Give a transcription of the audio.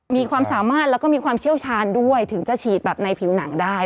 มีความสามารถแล้วก็มีความเชี่ยวชาญด้วยถึงจะฉีดแบบในผิวหนังได้